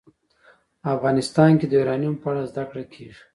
افغانستان کې د یورانیم په اړه زده کړه کېږي.